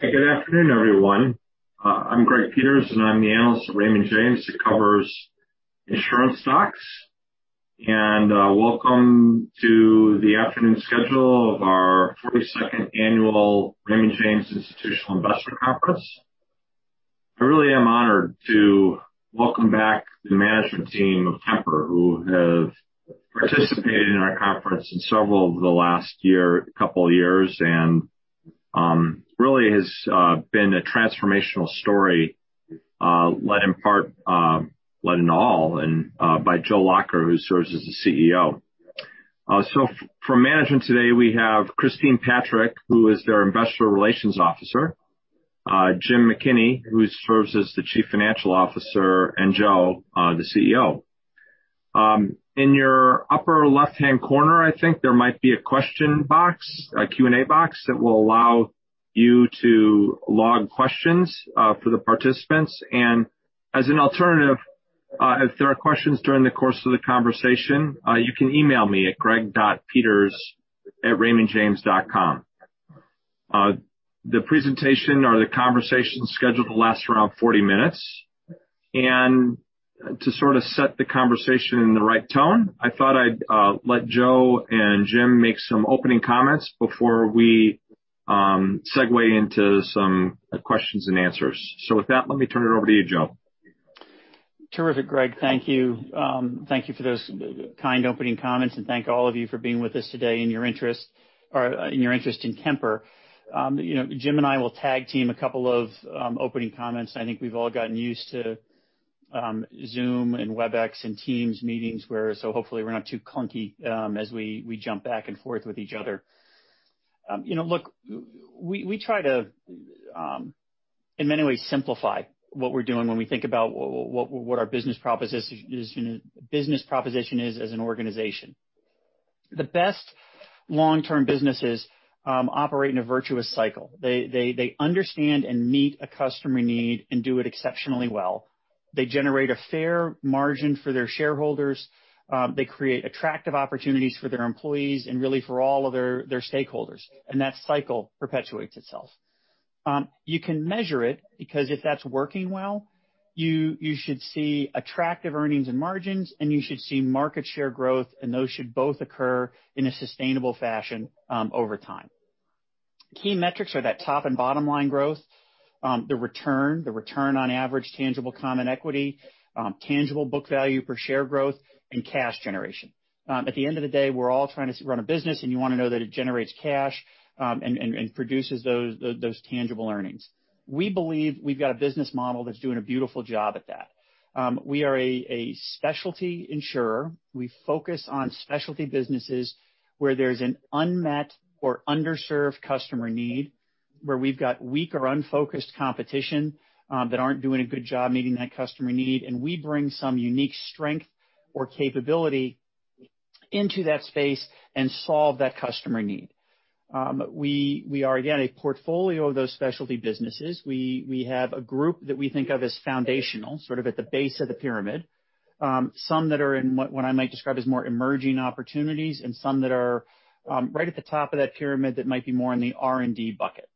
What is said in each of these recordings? Good afternoon, everyone. I'm Greg Peters, and I'm the analyst at Raymond James that covers insurance stocks. Welcome to the afternoon schedule of our 42nd Annual Raymond James Institutional Investor Conference. I really am honored to welcome back the management team of Kemper, who have participated in our conference in several of the last couple years, and really has been a transformational story led in all by Joe Lacher, who serves as the CEO. For management today, we have Christine Patrick, who is their Investor Relations Officer, Jim McKinney, who serves as the Chief Financial Officer, and Joe, the CEO. In your upper left-hand corner, I think there might be a question box, a Q&A box that will allow you to log questions for the participants. As an alternative, if there are questions during the course of the conversation, you can email me at greg.peters@raymondjames.com. The presentation or the conversation scheduled to last around 40 minutes. To sort of set the conversation in the right tone, I thought I'd let Joe and Jim make some opening comments before we segue into some questions and answers. With that, let me turn it over to you, Joe. Terrific, Greg. Thank you. Thank you for those kind opening comments, and thank all of you for being with us today in your interest in Kemper. Jim and I will tag team a couple of opening comments. I think we've all gotten used to Zoom and Webex and Microsoft Teams meetings, so hopefully we're not too clunky as we jump back and forth with each other. Look, we try to, in many ways, simplify what we're doing when we think about what our business proposition is as an organization. The best long-term businesses operate in a virtuous cycle. They understand and meet a customer need and do it exceptionally well. They generate a fair margin for their shareholders. They create attractive opportunities for their employees and really for all of their stakeholders, and that cycle perpetuates itself. You can measure it, because if that's working well, you should see attractive earnings and margins, and you should see market share growth, and those should both occur in a sustainable fashion over time. Key metrics are that top and bottom line growth, the return, the Return on Average Tangible Common Equity, Tangible Book Value Per Share growth, and cash generation. At the end of the day, we're all trying to run a business, and you want to know that it generates cash and produces those tangible earnings. We believe we've got a business model that's doing a beautiful job at that. We are a specialty insurer. We focus on specialty businesses where there's an unmet or underserved customer need, where we've got weak or unfocused competition that aren't doing a good job meeting that customer need, and we bring some unique strength or capability into that space and solve that customer need. We are, again, a portfolio of those specialty businesses. We have a group that we think of as foundational, sort of at the base of the pyramid. Some that are in what I might describe as more emerging opportunities, and some that are right at the top of that pyramid that might be more in the R&D bucket.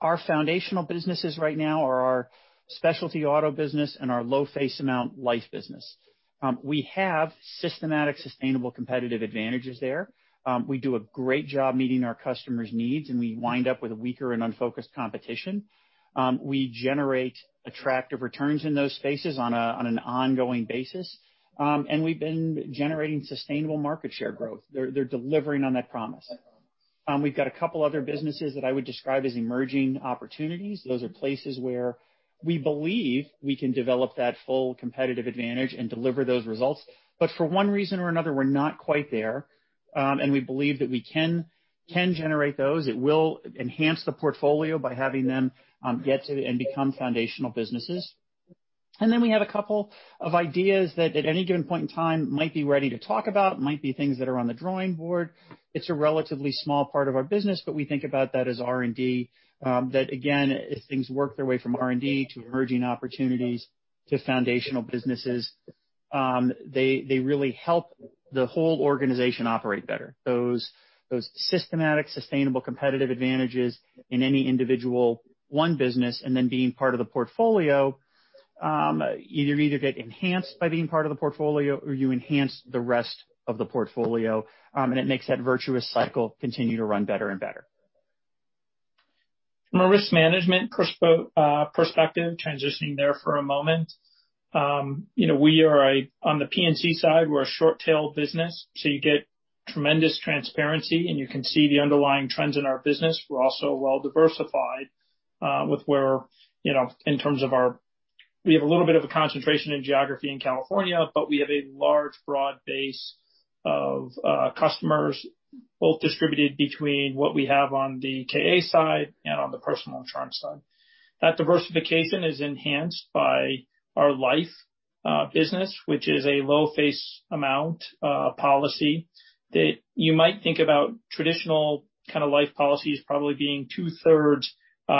Our foundational businesses right now are our specialty auto business and our low face amount life business. We have systematic, sustainable competitive advantages there. We do a great job meeting our customers' needs, and we wind up with weaker and unfocused competition. We generate attractive returns in those spaces on an ongoing basis. We've been generating sustainable market share growth. They're delivering on that promise. We've got a couple other businesses that I would describe as emerging opportunities. Those are places where we believe we can develop that full competitive advantage and deliver those results. For one reason or another, we're not quite there. We believe that we can generate those. It will enhance the portfolio by having them get to and become foundational businesses. Then we have a couple of ideas that at any given point in time might be ready to talk about, might be things that are on the drawing board. It's a relatively small part of our business, but we think about that as R&D, that again, if things work their way from R&D to emerging opportunities to foundational businesses, they really help the whole organization operate better. Those systematic, sustainable competitive advantages in any individual one business and then being part of the portfolio, you either get enhanced by being part of the portfolio or you enhance the rest of the portfolio, and it makes that virtuous cycle continue to run better and better. From a risk management perspective, transitioning there for a moment. On the P&C side, we're a short-tail business, so you get tremendous transparency and you can see the underlying trends in our business. We're also well diversified in terms of our We have a little bit of a concentration in geography in California, but we have a large, broad base of customers, both distributed between what we have on the KA side and on the personal insurance side. That diversification is enhanced by our life business, which is a low face amount policy that you might think about traditional life policies probably being two-thirds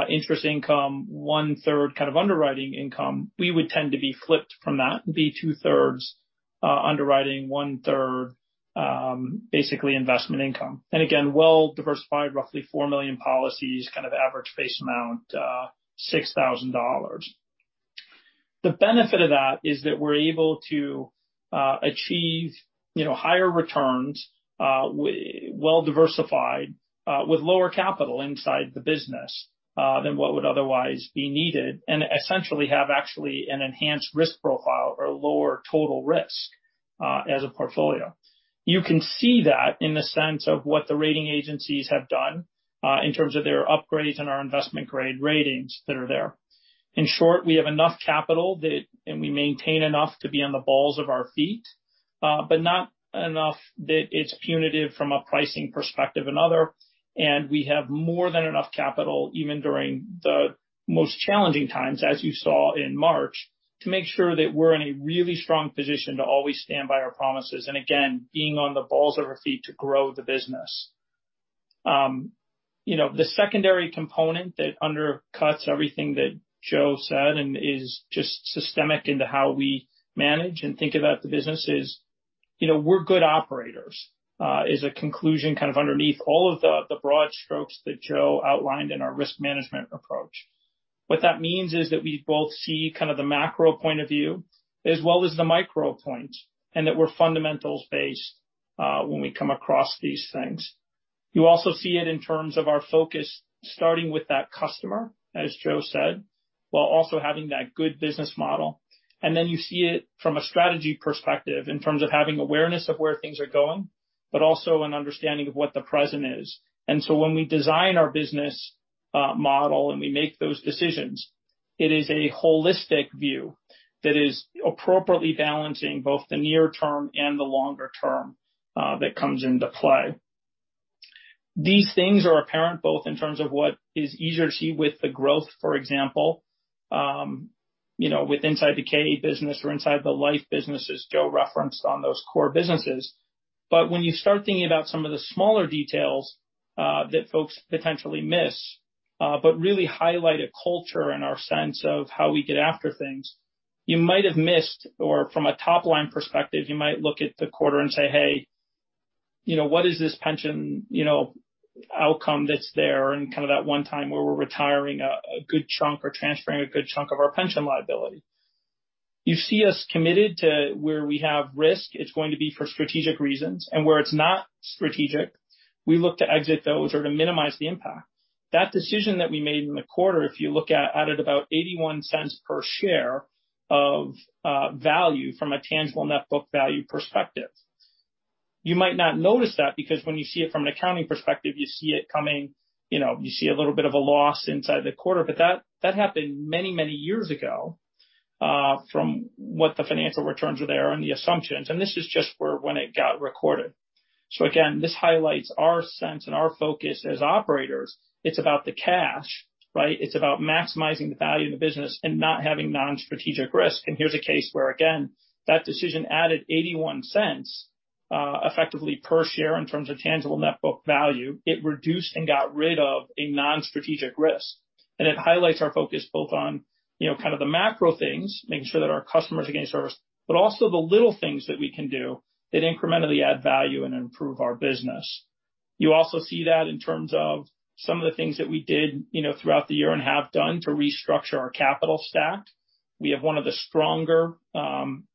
interest income, one-third kind of underwriting income. We would tend to be flipped from that and be two-thirds underwriting one-third basically investment income. Again, well diversified, roughly 4 million policies, kind of average face amount, $6,000. The benefit of that is that we're able to achieve higher returns, well diversified, with lower capital inside the business, than what would otherwise be needed, essentially have actually an enhanced risk profile or lower total risk, as a portfolio. You can see that in the sense of what the rating agencies have done, in terms of their upgrades and our investment grade ratings that are there. In short, we have enough capital, and we maintain enough to be on the balls of our feet, but not enough that it's punitive from a pricing perspective or another. We have more than enough capital, even during the most challenging times, as you saw in March, to make sure that we're in a really strong position to always stand by our promises. Again, being on the balls of our feet to grow the business. The secondary component that undercuts everything that Joe said and is just systemic into how we manage and think about the business is, we're good operators, is a conclusion kind of underneath all of the broad strokes that Joe outlined in our risk management approach. What that means is that we both see kind of the macro point of view as well as the micro point, and that we're fundamentals-based, when we come across these things. You also see it in terms of our focus, starting with that customer, as Joe said, while also having that good business model. Then you see it from a strategy perspective in terms of having awareness of where things are going, but also an understanding of what the present is. When we design our business model and we make those decisions, it is a holistic view that is appropriately balancing both the near term and the longer term that comes into play. These things are apparent both in terms of what is easier to see with the growth, for example, with inside the P&C business or inside the life business, as Joe referenced on those core businesses. When you start thinking about some of the smaller details that folks potentially miss, but really highlight a culture and our sense of how we get after things, you might have missed, or from a top-line perspective, you might look at the quarter and say, "Hey, what is this pension outcome that's there?" Kind of that one time where we're retiring a good chunk or transferring a good chunk of our pension liability. You see us committed to where we have risk. It's going to be for strategic reasons. Where it's not strategic, we look to exit those or to minimize the impact. That decision that we made in the quarter, if you look at, added about $0.81 per share of value from a tangible net book value perspective. You might not notice that because when you see it from an accounting perspective, you see a little bit of a loss inside the quarter. That happened many, many years ago, from what the financial returns were there and the assumptions, and this is just for when it got recorded. Again, this highlights our sense and our focus as operators. It's about the cash, right? It's about maximizing the value of the business and not having non-strategic risk. Here's a case where, again, that decision added $0.81, effectively per share in terms of tangible net book value. It reduced and got rid of a non-strategic risk. It highlights our focus both on kind of the macro things, making sure that our customers are getting serviced, but also the little things that we can do that incrementally add value and improve our business. You also see that in terms of some of the things that we did throughout the year and have done to restructure our capital stack. We have one of the stronger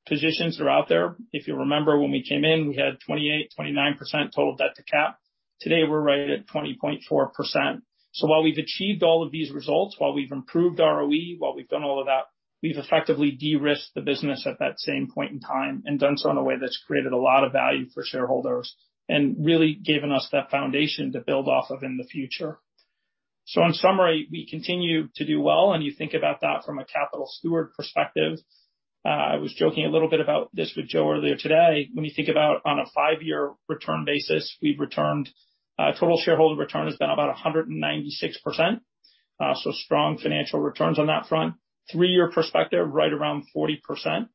positions that are out there. If you remember, when we came in, we had 28%-29% total debt to cap. Today, we're right at 20.4%. While we've achieved all of these results, while we've improved ROE, while we've done all of that, we've effectively de-risked the business at that same point in time and done so in a way that's created a lot of value for shareholders and really given us that foundation to build off of in the future. In summary, we continue to do well, and you think about that from a capital steward perspective. I was joking a little bit about this with Joe earlier today. When you think about on a five-year return basis, we've returned, total shareholder return has been about 196%. Strong financial returns on that front. Three-year perspective, right around 40%.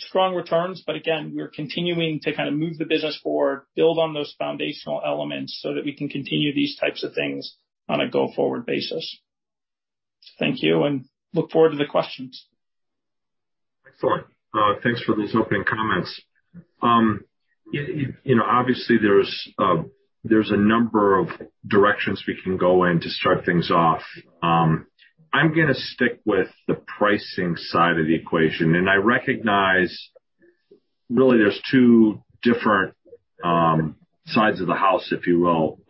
Strong returns, again, we're continuing to kind of move the business forward, build on those foundational elements so that we can continue these types of things on a go-forward basis. Thank you, and look forward to the questions. Excellent. Thanks for those opening comments. Obviously, there's a number of directions we can go in to start things off. I'm going to stick with the pricing side of the equation, and I recognize really there's two different sides of the house, if you will,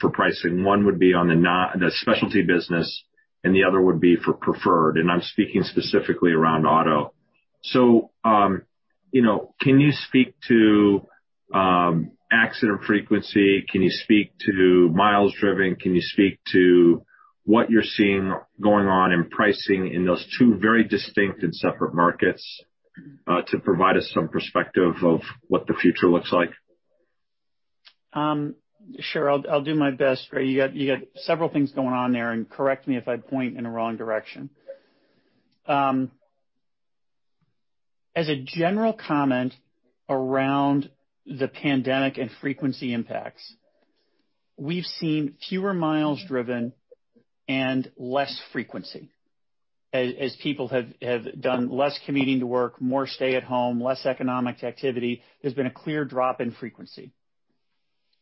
for pricing. One would be on the specialty business, and the other would be for preferred, and I'm speaking specifically around auto. Can you speak to accident frequency? Can you speak to miles driven? Can you speak to what you're seeing going on in pricing in those two very distinct and separate markets, to provide us some perspective of what the future looks like? Sure. I'll do my best, Greg. You got several things going on there, and correct me if I point in a wrong direction. As a general comment around the pandemic and frequency impacts. We've seen fewer miles driven and less frequency. As people have done less commuting to work, more stay at home, less economic activity, there's been a clear drop in frequency.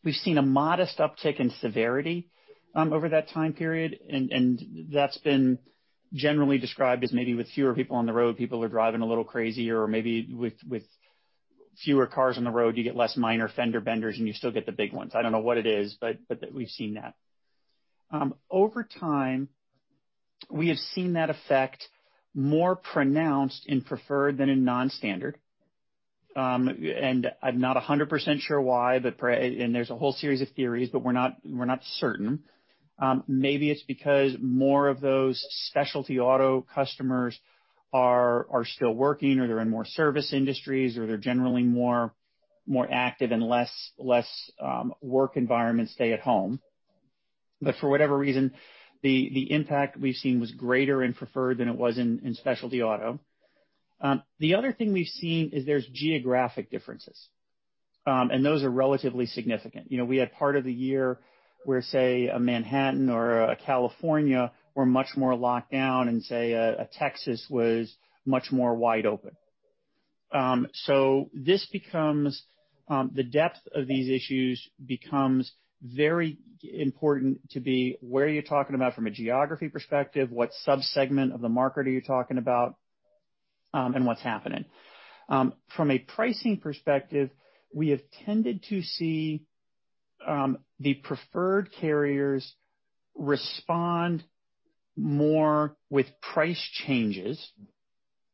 We've seen a modest uptick in severity over that time period, and that's been generally described as maybe with fewer people on the road, people are driving a little crazier or maybe with fewer cars on the road, you get less minor fender benders, and you still get the big ones. I don't know what it is, but we've seen that. Over time, we have seen that effect more pronounced in preferred than in non-standard. I'm not 100% sure why. There's a whole series of theories, but we're not certain. Maybe it's because more of those specialty auto customers are still working, or they're in more service industries, or they're generally more active and less work environment, stay at home. For whatever reason, the impact we've seen was greater in preferred than it was in specialty auto. The other thing we've seen is there's geographic differences. Those are relatively significant. We had part of the year where, say, a Manhattan or a California were much more locked down and, say, a Texas was much more wide open. The depth of these issues becomes very important to be where you're talking about from a geography perspective, what sub-segment of the market are you talking about, and what's happening. From a pricing perspective, we have tended to see the preferred carriers respond more with price changes.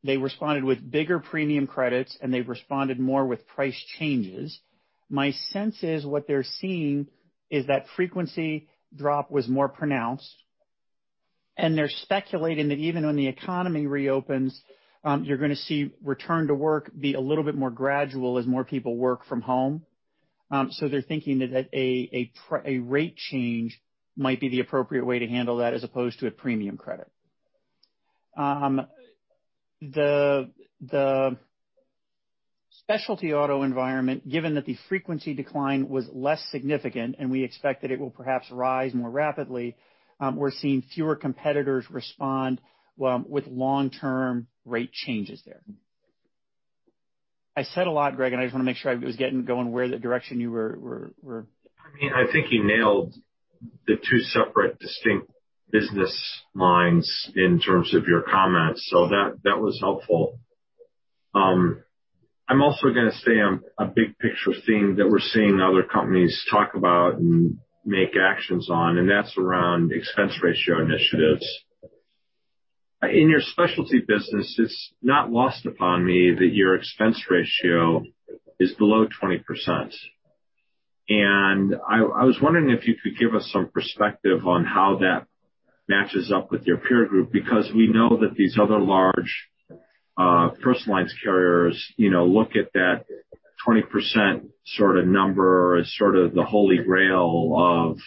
They responded with bigger premium credits, and they've responded more with price changes. My sense is what they're seeing is that frequency drop was more pronounced. They're speculating that even when the economy reopens, you're going to see return to work be a little bit more gradual as more people work from home. They're thinking that a rate change might be the appropriate way to handle that as opposed to a premium credit. The specialty auto environment, given that the frequency decline was less significant and we expect that it will perhaps rise more rapidly, we're seeing fewer competitors respond with long-term rate changes there. I said a lot, Greg, and I just want to make sure I was going where the direction you were- I think you nailed the two separate distinct business lines in terms of your comments. That was helpful. I'm also going to say a big picture theme that we're seeing other companies talk about and make actions on, and that's around expense ratio initiatives. In your specialty business, it's not lost upon me that your expense ratio is below 20%. I was wondering if you could give us some perspective on how that matches up with your peer group, because we know that these other large first lines carriers look at that 20% number as sort of the holy grail of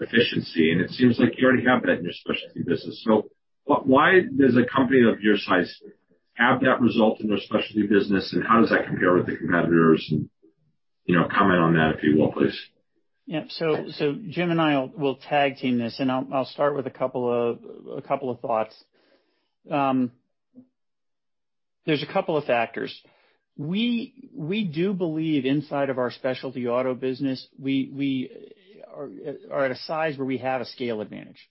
efficiency, and it seems like you already have that in your specialty business. Why does a company of your size have that result in their specialty business, and how does that compare with the competitors? Comment on that, if you will, please. Yeah. Jim and I will tag team this. I'll start with a couple of thoughts. There's a couple of factors. We do believe inside of our Specialty Auto business, we are at a size where we have a scale advantage.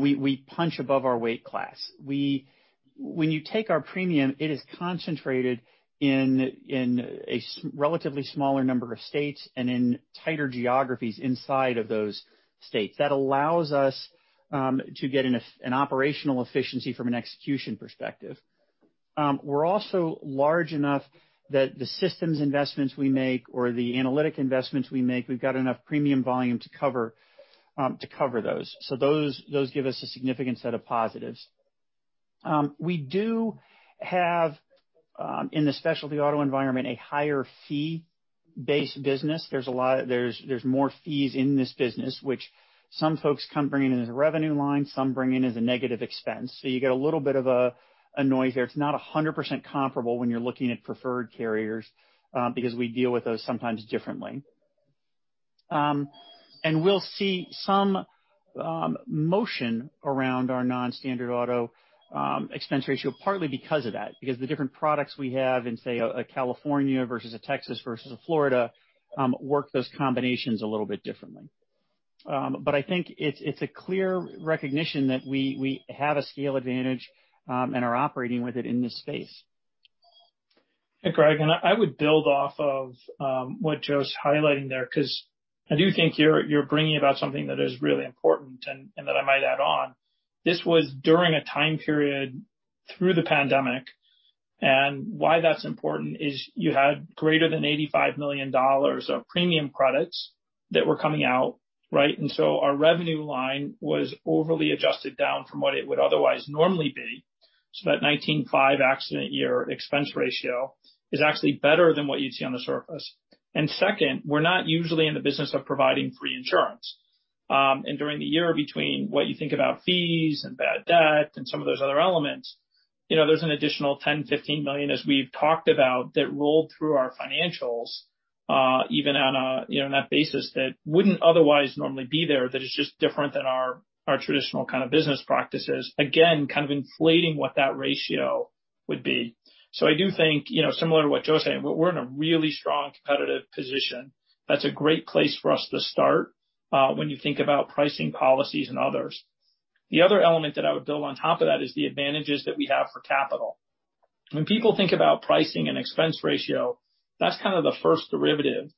We punch above our weight class. When you take our premium, it is concentrated in a relatively smaller number of states and in tighter geographies inside of those states. That allows us to get an operational efficiency from an execution perspective. We're also large enough that the systems investments we make or the analytic investments we make, we've got enough premium volume to cover those. Those give us a significant set of positives. We do have, in the Specialty Auto environment, a higher fee-based business. There's more fees in this business, which some folks come bring in as a revenue line, some bring in as a negative expense. You get a little bit of a noise there. It's not 100% comparable when you're looking at preferred carriers, because we deal with those sometimes differently. We'll see some motion around our non-standard auto expense ratio, partly because of that. The different products we have in, say, a California versus a Texas versus a Florida work those combinations a little bit differently. I think it's a clear recognition that we have a scale advantage and are operating with it in this space. Greg, I would build off of what Joe's highlighting there. I do think you're bringing about something that is really important and that I might add on. This was during a time period through the pandemic. Why that's important is you had greater than $85 million of premium credits that were coming out, right? Our revenue line was overly adjusted down from what it would otherwise normally be. That 19.5 accident year expense ratio is actually better than what you'd see on the surface. Second, we're not usually in the business of providing free insurance. During the year between what you think about fees and bad debt and some of those other elements, there's an additional $10 million-$15 million as we've talked about that rolled through our financials, even on a net basis that wouldn't otherwise normally be there, that is just different than our traditional kind of business practices. Again, kind of inflating what that ratio would be. I do think similar to what Joe's saying, we're in a really strong competitive position. That's a great place for us to start when you think about pricing policies and others. The other element that I would build on top of that is the advantages that we have for capital. When people think about pricing and expense ratio, that's kind of the first derivative.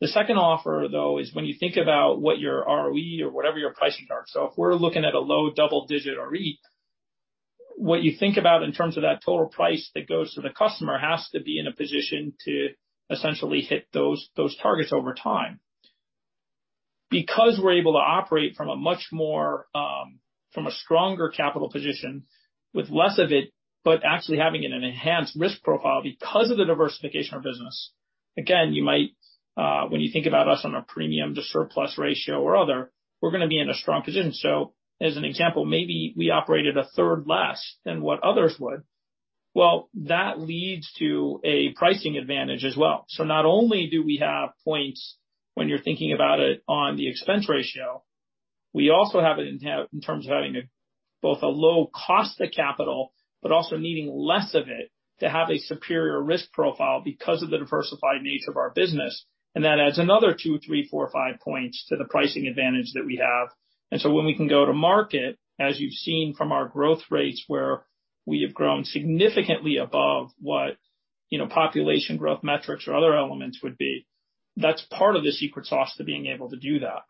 The second offer, though, is when you think about what your ROE or whatever your pricing targets are. If we're looking at a low double-digit ROE, what you think about in terms of that total price that goes to the customer has to be in a position to essentially hit those targets over time. We're able to operate from a stronger capital position with less of it, but actually having an enhanced risk profile because of the diversification of business. Again, when you think about us on a premium to surplus ratio or other, we're going to be in a strong position. As an example, maybe we operate at a third less than what others would. That leads to a pricing advantage as well. Not only do we have points when you're thinking about it on the expense ratio, we also have it in terms of having both a low cost of capital, but also needing less of it to have a superior risk profile because of the diversified nature of our business. That adds another two, three, four, five points to the pricing advantage that we have. When we can go to market, as you've seen from our growth rates where we have grown significantly above what population growth metrics or other elements would be, that's part of the secret sauce to being able to do that.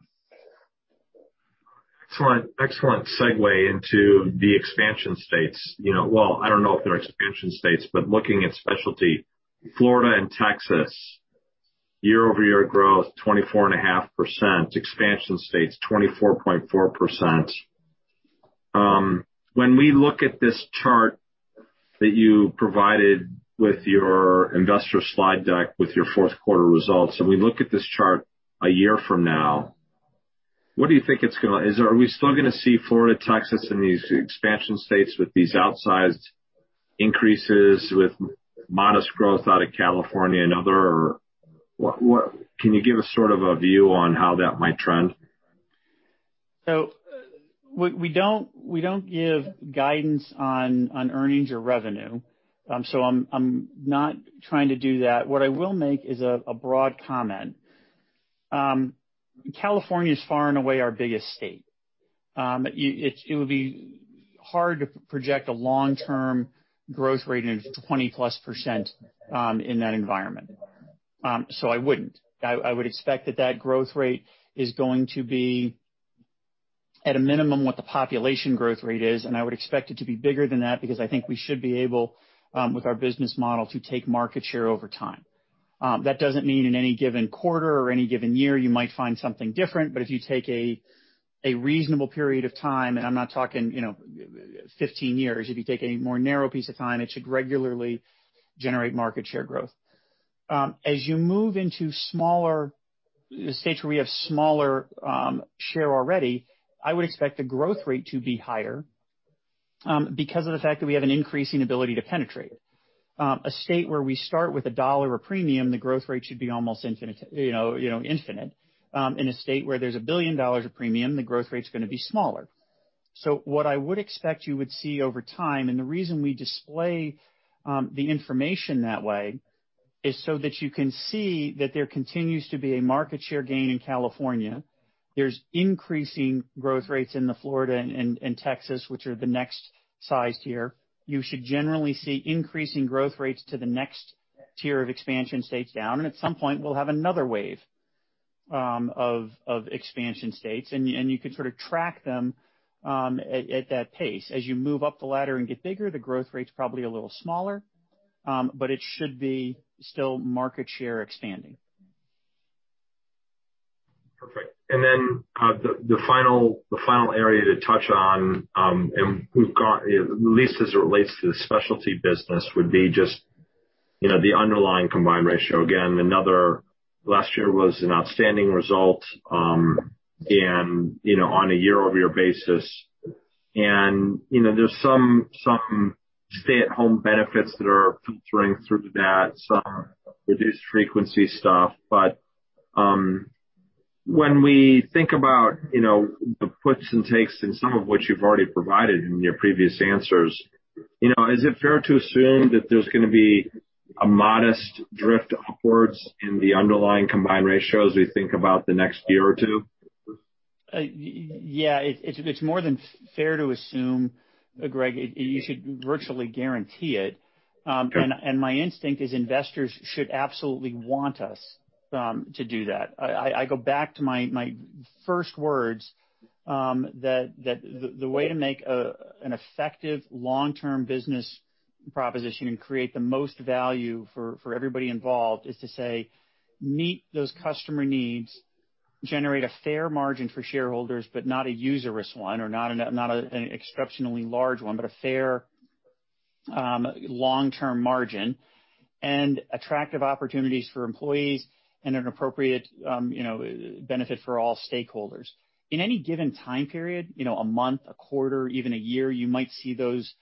Excellent segue into the expansion states. I don't know if they're expansion states, but looking at specialty, Florida and Texas, year-over-year growth 24.5%. Expansion states, 24.4%. When we look at this chart that you provided with your investor slide deck with your fourth quarter results, we look at this chart a year from now, are we still going to see Florida, Texas, and these expansion states with these outsized increases, with modest growth out of California and other? Can you give us sort of a view on how that might trend? We don't give guidance on earnings or revenue. I'm not trying to do that. What I will make is a broad comment. California is far and away our biggest state. It would be hard to project a long-term growth rate of 20%+ in that environment. I wouldn't. I would expect that that growth rate is going to be at a minimum what the population growth rate is, I would expect it to be bigger than that because I think we should be able, with our business model, to take market share over time. That doesn't mean in any given quarter or any given year you might find something different. If you take a reasonable period of time, I'm not talking 15 years, if you take a more narrow piece of time, it should regularly generate market share growth. As you move into states where we have smaller share already, I would expect the growth rate to be higher because of the fact that we have an increasing ability to penetrate it. A state where we start with $1 of premium, the growth rate should be almost infinite. In a state where there's $1 billion of premium, the growth rate's going to be smaller. What I would expect you would see over time, and the reason we display the information that way is so that you can see that there continues to be a market share gain in California. There's increasing growth rates in the Florida and Texas, which are the next size tier. You should generally see increasing growth rates to the next tier of expansion states down. At some point, we'll have another wave of expansion states, and you can sort of track them at that pace. As you move up the ladder and get bigger, the growth rate's probably a little smaller, but it should be still market share expanding. Perfect. The final area to touch on, at least as it relates to the specialty business, would be just the underlying combined ratio. Again, last year was an outstanding result on a year-over-year basis. There's some stay-at-home benefits that are filtering through that, some reduced frequency stuff. When we think about the puts and takes in some of what you've already provided in your previous answers, is it fair to assume that there's going to be a modest drift upwards in the underlying combined ratio as we think about the next year or two? Yeah. It's more than fair to assume, Greg. You should virtually guarantee it. Okay. My instinct is investors should absolutely want us to do that. I go back to my first words, that the way to make an effective long-term business proposition and create the most value for everybody involved is to say, meet those customer needs, generate a fair margin for shareholders, but not a usurious one or not an exceptionally large one, but a fair long-term margin and attractive opportunities for employees and an appropriate benefit for all stakeholders. In any given time period, a month, a quarter, even a year, you might see those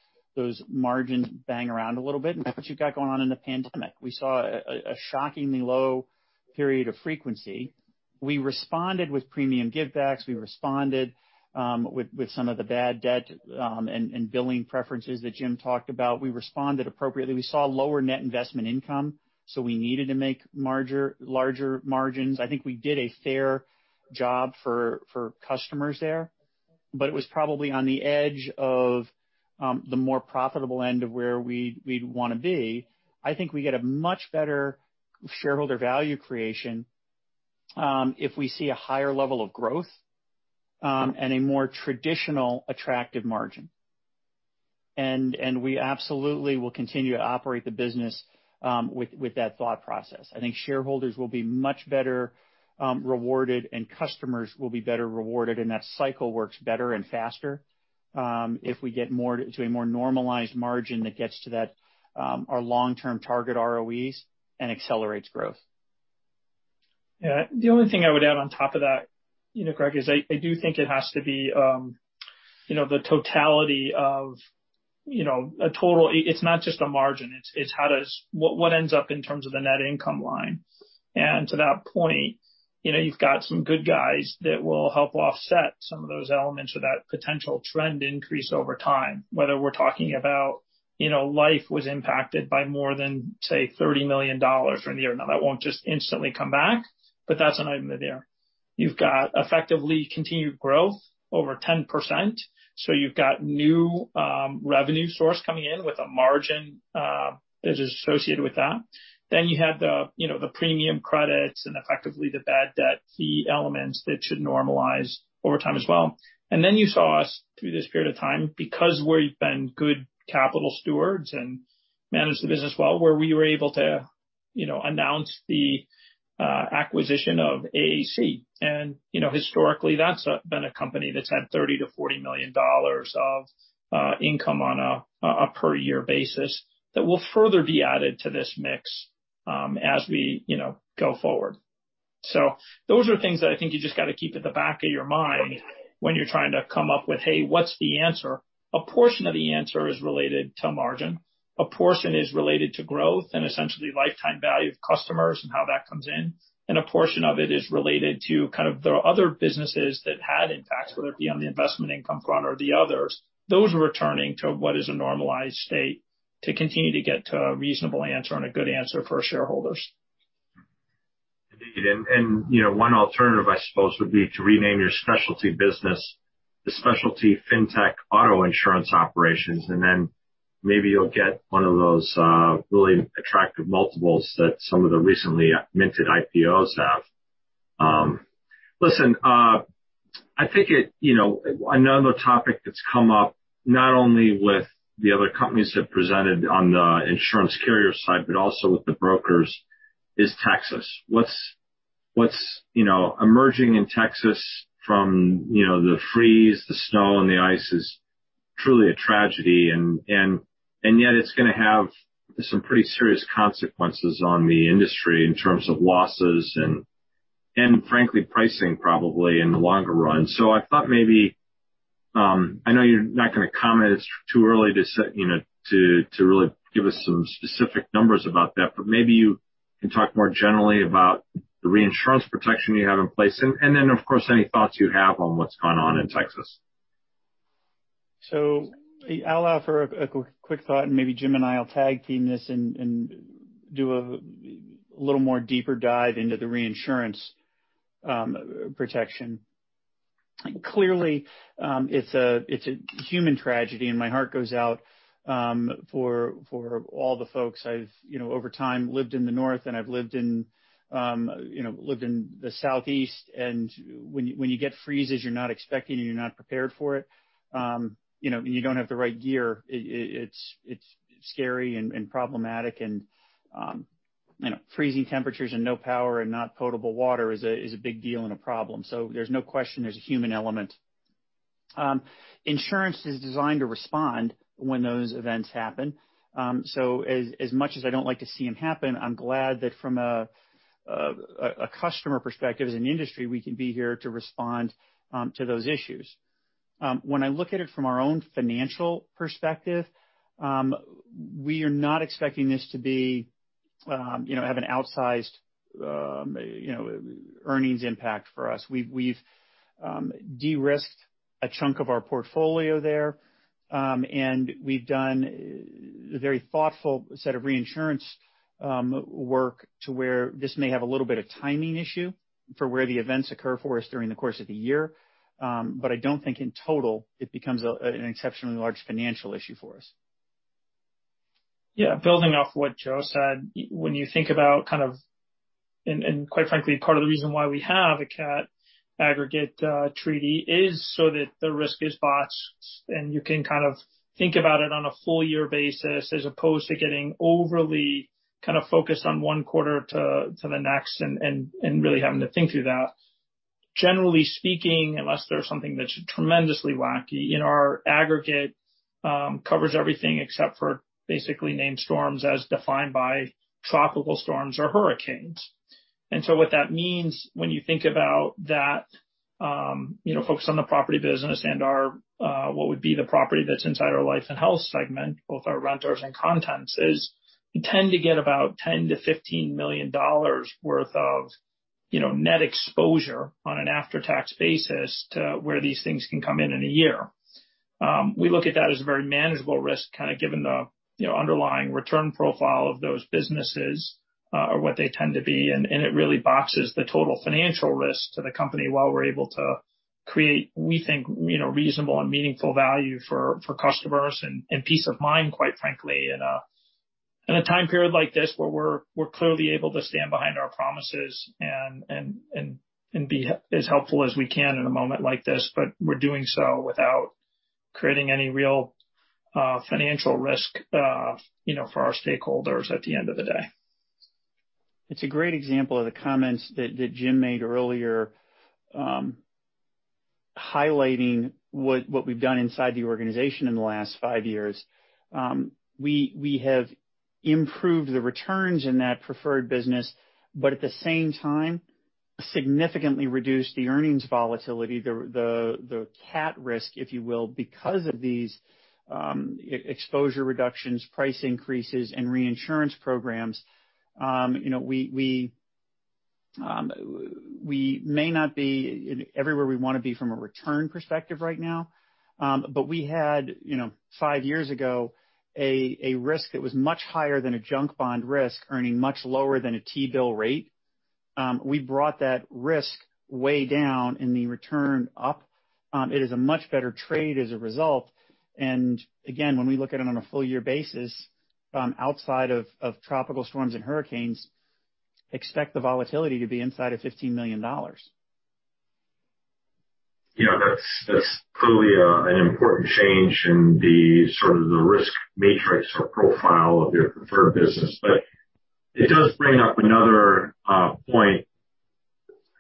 margins bang around a little bit. That's what you've got going on in the pandemic. We saw a shockingly low period of frequency. We responded with premium give backs, we responded with some of the bad debt and billing preferences that Jim talked about. We responded appropriately. We saw lower net investment income, we needed to make larger margins. I think we did a fair job for customers there, but it was probably on the edge of the more profitable end of where we'd want to be. I think we get a much better shareholder value creation if we see a higher level of growth and a more traditional attractive margin. We absolutely will continue to operate the business with that thought process. I think shareholders will be much better rewarded, and customers will be better rewarded, and that cycle works better and faster if we get to a more normalized margin that gets to our long-term target ROEs and accelerates growth. Yeah. The only thing I would add on top of that, Greg, is I do think it has to be the totality of a total. It's not just a margin, it's what ends up in terms of the net income line. To that point, you've got some good guys that will help offset some of those elements of that potential trend increase over time, whether we're talking about life was impacted by more than, say, $30 million for the year. Now, that won't just instantly come back, but that's an item there. You've got effectively continued growth over 10%, you've got new revenue source coming in with a margin that is associated with that. You had the premium credits and effectively the bad debt key elements that should normalize over time as well. You saw us through this period of time because we've been good capital stewards and managed the business well, where we were able to announce the acquisition of AAC. Historically, that's been a company that's had $30 million-$40 million of income on a per year basis that will further be added to this mix as we go forward. Those are things that I think you just got to keep at the back of your mind when you're trying to come up with, hey, what's the answer? A portion of the answer is related to margin, a portion is related to growth and essentially lifetime value of customers and how that comes in, and a portion of it is related to kind of the other businesses that had impacts, whether it be on the investment income front or the others. Those are returning to what is a normalized state to continue to get to a reasonable answer and a good answer for our shareholders. Indeed. One alternative, I suppose, would be to rename your specialty business the Specialty Fintech Auto Insurance Operations, and then maybe you'll get one of those really attractive multiples that some of the recently minted IPO have. Listen, I think another topic that's come up not only with the other companies that presented on the insurance carrier side, but also with the brokers, is Texas. What's emerging in Texas from the freeze, the snow, and the ice is truly a tragedy, and yet it's going to have some pretty serious consequences on the industry in terms of losses and frankly pricing probably in the longer run. I thought maybe, I know you're not going to comment, it's too early to really give us some specific numbers about that, but maybe you can talk more generally about the reinsurance protection you have in place and then, of course, any thoughts you have on what's gone on in Texas. I'll offer a quick thought and maybe Jim and I will tag team this and do a little more deeper dive into the reinsurance protection. Clearly, it's a human tragedy and my heart goes out for all the folks. I've, over time, lived in the North and I've lived in the Southeast, and when you get freezes you're not expecting and you're not prepared for it and you don't have the right gear, it's scary and problematic. Freezing temperatures and no power and not potable water is a big deal and a problem. There's no question there's a human element. Insurance is designed to respond when those events happen. As much as I don't like to see them happen, I'm glad that from a customer perspective, as an industry, we can be here to respond to those issues. When I look at it from our own financial perspective, we are not expecting this to have an outsized earnings impact for us. We've de-risked a chunk of our portfolio there, and we've done a very thoughtful set of reinsurance work to where this may have a little bit of timing issue for where the events occur for us during the course of the year. I don't think in total it becomes an exceptionally large financial issue for us. Yeah. Building off what Joe said, when you think about quite frankly, part of the reason why we have a CAT aggregate treaty is so that the risk is bought, and you can kind of think about it on a full year basis as opposed to getting overly focused on one quarter to the next and really having to think through that. Generally speaking, unless there's something that's tremendously wacky, our aggregate covers everything except for basically named storms as defined by tropical storms or hurricanes. What that means when you think about that, focus on the property business and what would be the property that's inside our Life and Health segment, both our renters and contents, is we tend to get about $10 million to $15 million worth of net exposure on an after-tax basis to where these things can come in in a year. We look at that as a very manageable risk, given the underlying return profile of those businesses, or what they tend to be, and it really boxes the total financial risk to the company while we're able to create, we think, reasonable and meaningful value for customers and peace of mind, quite frankly. In a time period like this where we're clearly able to stand behind our promises and be as helpful as we can in a moment like this, we're doing so without creating any real financial risk for our stakeholders at the end of the day. It's a great example of the comments that Jim made earlier, highlighting what we've done inside the organization in the last five years. We have improved the returns in that preferred business, but at the same time, significantly reduced the earnings volatility, the cat risk, if you will, because of these exposure reductions, price increases, and reinsurance programs. We may not be everywhere we want to be from a return perspective right now. We had, five years ago, a risk that was much higher than a junk bond risk, earning much lower than a T-bill rate. We brought that risk way down and the return up. It is a much better trade as a result. When we look at it on a full year basis, outside of tropical storms and hurricanes, expect the volatility to be inside of $15 million. That's truly an important change in the sort of the risk matrix or profile of your preferred business. It does bring up another point,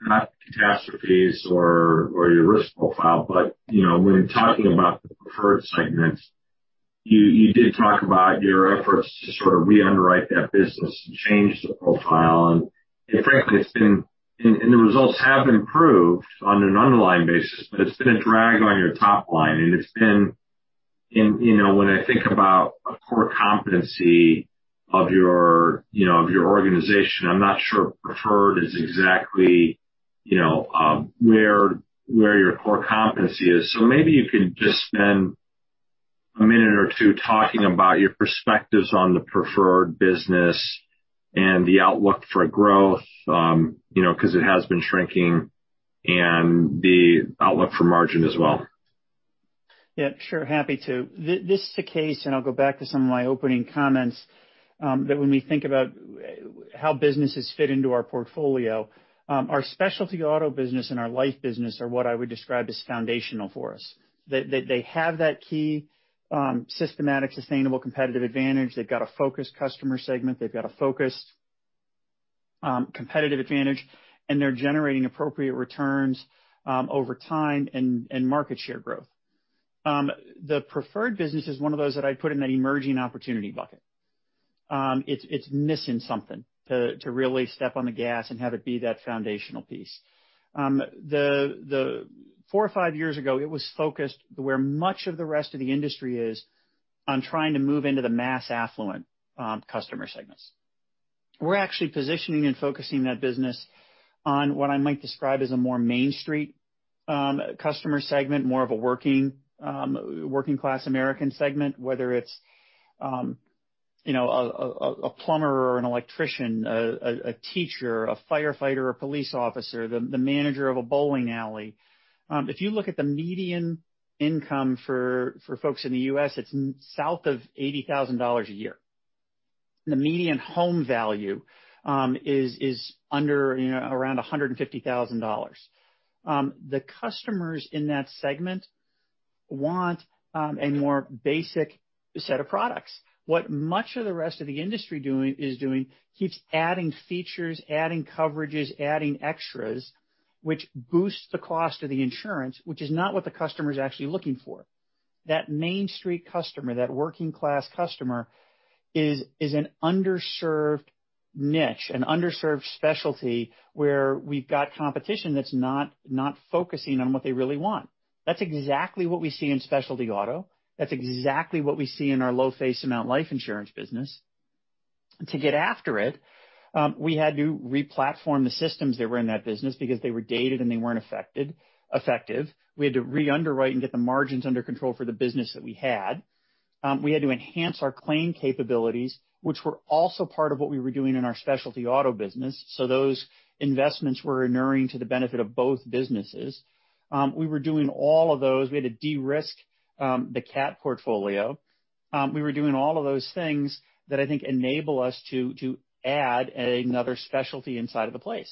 not catastrophes or your risk profile, but when talking about the preferred segments, you did talk about your efforts to sort of re-underwrite that business and change the profile. Frankly, the results have improved on an underlying basis, but it's been a drag on your top line. When I think about a core competency of your organization, I'm not sure preferred is exactly where your core competency is. Maybe you can just spend a minute or two talking about your perspectives on the preferred business and the outlook for growth, because it has been shrinking, and the outlook for margin as well. Sure. Happy to. This is a case, and I'll go back to some of my opening comments, that when we think about how businesses fit into our portfolio, our specialty auto business and our life business are what I would describe as foundational for us. They have that key systematic, sustainable competitive advantage. They've got a focused customer segment. They've got a focused competitive advantage, and they're generating appropriate returns over time and market share growth. The preferred business is one of those that I'd put in that emerging opportunity bucket. It's missing something to really step on the gas and have it be that foundational piece. Four or five years ago, it was focused where much of the rest of the industry is on trying to move into the mass affluent customer segments. We're actually positioning and focusing that business on what I might describe as a more main street customer segment, more of a working class American segment, whether it's a plumber or an electrician, a teacher, a firefighter, a police officer, the manager of a bowling alley. If you look at the median income for folks in the U.S., it's south of $80,000 a year. The median home value is under around $150,000. The customers in that segment want a more basic set of products. What much of the rest of the industry is doing keeps adding features, adding coverages, adding extras, which boosts the cost of the insurance, which is not what the customer is actually looking for. That main street customer, that working class customer, is an underserved niche, an underserved specialty, where we've got competition that's not focusing on what they really want. That's exactly what we see in specialty auto. That's exactly what we see in our low face amount life insurance business. To get after it, we had to re-platform the systems that were in that business because they were dated and they weren't effective. We had to re-underwrite and get the margins under control for the business that we had. We had to enhance our claim capabilities, which were also part of what we were doing in our specialty auto business, so those investments were inuring to the benefit of both businesses. We were doing all of those. We had to de-risk the cat portfolio. We were doing all of those things that I think enable us to add another specialty inside of the place.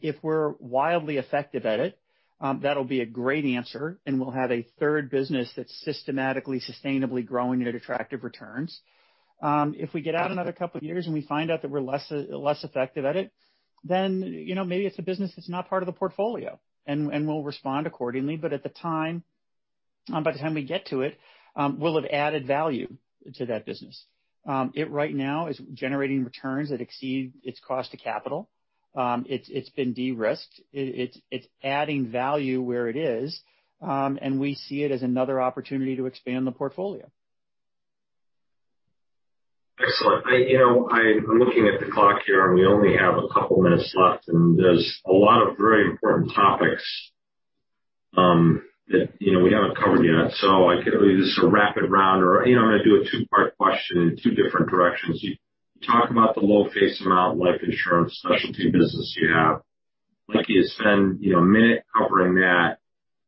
If we're wildly effective at it, that'll be a great answer, and we'll have a third business that's systematically, sustainably growing at attractive returns. If we get out another couple of years and we find out that we're less effective at it, maybe it's a business that's not part of the portfolio, and we'll respond accordingly. By the time we get to it, will it added value to that business? It right now is generating returns that exceed its cost to capital. It's been de-risked. It's adding value where it is. We see it as another opportunity to expand the portfolio. Excellent. I'm looking at the clock here, we only have a couple minutes left, there's a lot of very important topics that we haven't covered yet. I could leave this a rapid round or I'm going to do a two-part question in two different directions. You talk about the low face amount life insurance specialty business you have. Like you to spend a minute covering that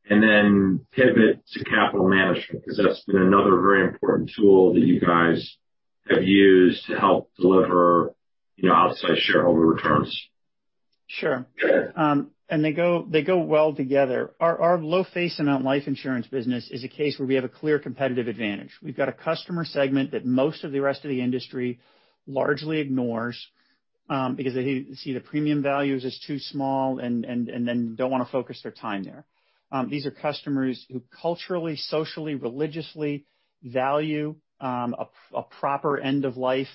pivot to capital management, because that's been another very important tool that you guys have used to help deliver outside shareholder returns. Sure. They go well together. Our low face amount life insurance business is a case where we have a clear competitive advantage. We've got a customer segment that most of the rest of the industry largely ignores, because they see the premium value is too small don't want to focus their time there. These are customers who culturally, socially, religiously value a proper end of life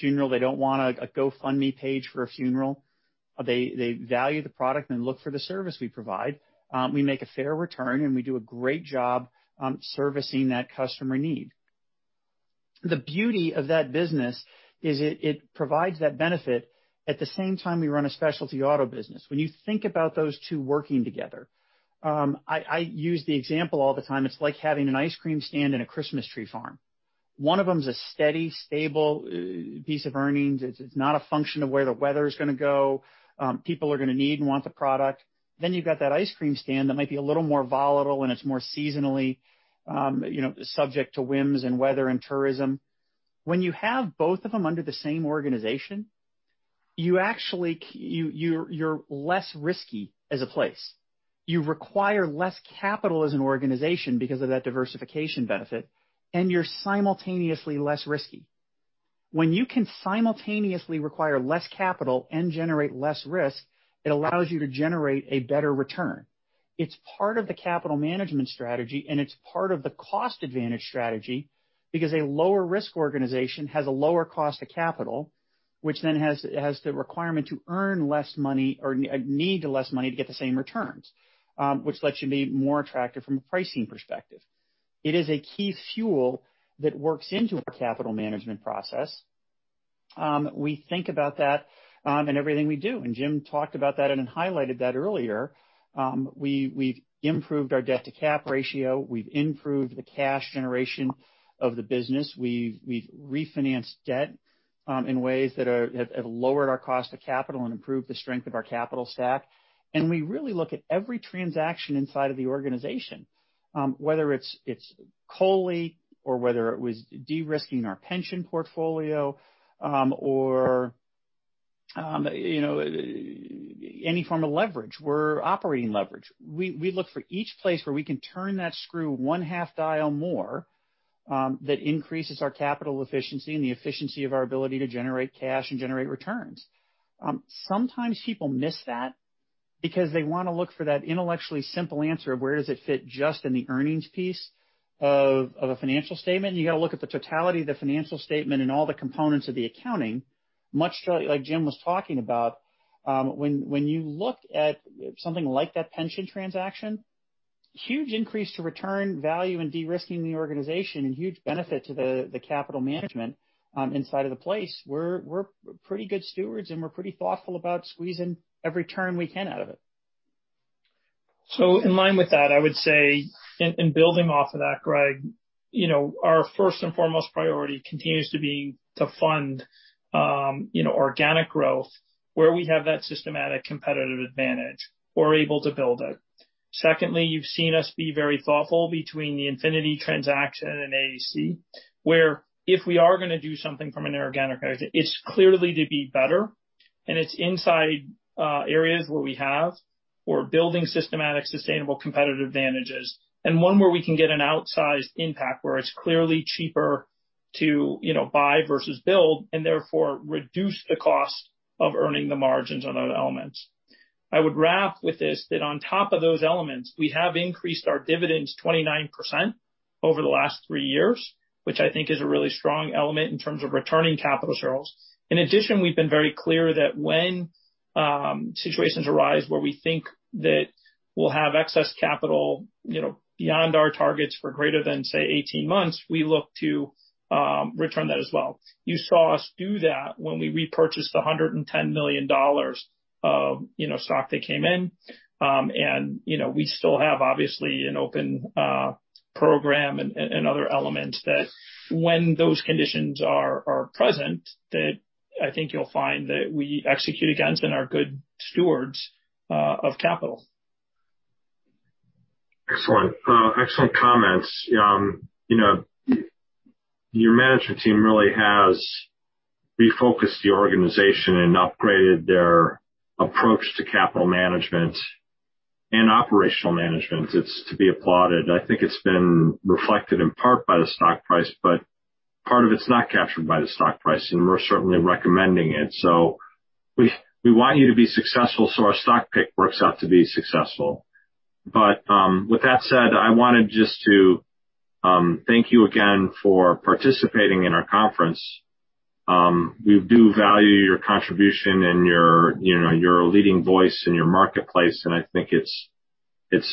funeral. They don't want a GoFundMe page for a funeral. They value the product and look for the service we provide. We make a fair return, we do a great job servicing that customer need. The beauty of that business is it provides that benefit at the same time we run a specialty auto business. When you think about those two working together, I use the example all the time, it's like having an ice cream stand and a Christmas tree farm. One of them is a steady, stable piece of earnings. It's not a function of where the weather's going to go. People are going to need and want the product. You've got that ice cream stand that might be a little more volatile, it's more seasonally subject to whims and weather and tourism. When you have both of them under the same organization, you're less risky as a place. You require less capital as an organization because of that diversification benefit, you're simultaneously less risky. When you can simultaneously require less capital generate less risk, it allows you to generate a better return. It's part of the capital management strategy, and it's part of the cost advantage strategy because a lower risk organization has a lower cost of capital, which then has the requirement to earn less money or need less money to get the same returns, which lets you be more attractive from a pricing perspective. It is a key fuel that works into our capital management process. We think about that in everything we do, and Jim talked about that and highlighted that earlier. We've improved our debt-to-capital ratio. We've improved the cash generation of the business. We've refinanced debt in ways that have lowered our cost of capital and improved the strength of our capital stack. We really look at every transaction inside of the organization, whether it's COLI or whether it was de-risking our pension portfolio or any form of leverage. We're operating leverage. We look for each place where we can turn that screw one half dial more that increases our capital efficiency and the efficiency of our ability to generate cash and generate returns. Sometimes people miss that because they want to look for that intellectually simple answer of where does it fit just in the earnings piece of a financial statement. You got to look at the totality of the financial statement and all the components of the accounting, much like Jim was talking about. When you look at something like that pension transaction, huge increase to return value and de-risking the organization and huge benefit to the capital management inside of the place. We're pretty good stewards, and we're pretty thoughtful about squeezing every turn we can out of it. In line with that, I would say in building off of that, Greg, our first and foremost priority continues to be to fund organic growth where we have that systematic competitive advantage or able to build it. Secondly, you've seen us be very thoughtful between the Infinity transaction and AAC, where if we are going to do something from an inorganic perspective, it's clearly to be better, and it's inside areas where we have or building systematic, sustainable competitive advantages and one where we can get an outsized impact where it's clearly cheaper to buy versus build and therefore reduce the cost of earning the margins on those elements. I would wrap with this, that on top of those elements, we have increased our dividends 29% over the last three years, which I think is a really strong element in terms of returning capital to shareholders. In addition, we've been very clear that when situations arise where we think that we'll have excess capital beyond our targets for greater than, say, 18 months, we look to return that as well. You saw us do that when we repurchased the $110 million of stock that came in. We still have, obviously, an open program and other elements that when those conditions are present, that I think you'll find that we execute against and are good stewards of capital. Excellent comments. Your management team really has refocused the organization and upgraded their approach to capital management and operational management. It's to be applauded. I think it's been reflected in part by the stock price, but part of it's not captured by the stock price, and we're certainly recommending it. We want you to be successful, so our stock pick works out to be successful. With that said, I wanted just to thank you again for participating in our conference. We do value your contribution and your leading voice in your marketplace, and I think it's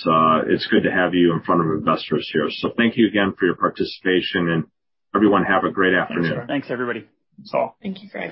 good to have you in front of investors here. Thank you again for your participation, and everyone have a great afternoon. Thanks, everybody. That's all. Thank you, Greg.